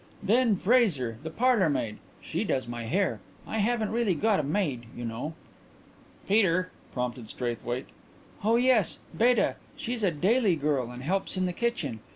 Then Fraser, the parlourmaid. She does my hair I haven't really got a maid, you know." "Peter," prompted Straithwaite. "Oh yes, Beta. She's a daily girl and helps in the kitchen.